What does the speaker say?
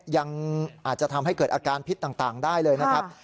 ยังอาจจะทำให้เกิดอาการพิษต่างได้เลยนะครับ